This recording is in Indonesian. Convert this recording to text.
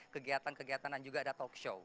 kegiatan kegiatan dan juga ada talk show